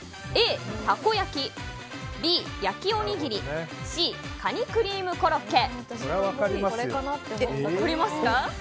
Ａ、たこ焼きＢ、焼きおにぎりＣ、カニクリームコロッケ。